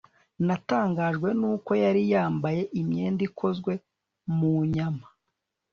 natangajwe nuko yari yambaye imyenda ikozwe mu nyama